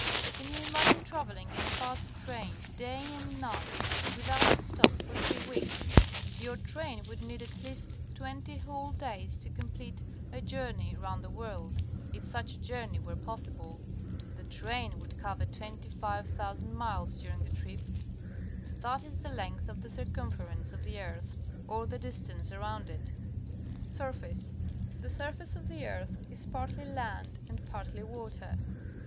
Can you imagine travelling in a fast train, day and night, without a stop, for three weeks? Your train would need at least twenty whole days to com plete a journe^v round the world, if such a journey were possible. The train would cover 25,000 miles during the trip. That is the length of the circumference of the earth, or the distance around it. Surface. — The surface of the earth is partly land and partty water.